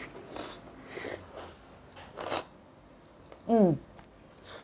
うん。